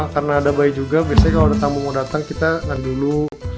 karena ada bayi juga biasanya kalau ada tamu mau datang kita nanti dulu